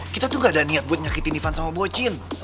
kita tuh gak ada niat buat nyakitin ivan sama boccine